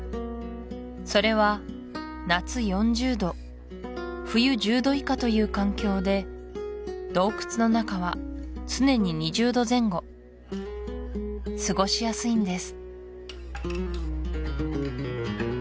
それは夏４０度冬１０度以下という環境で洞窟の中は常に２０度前後過ごしやすいんです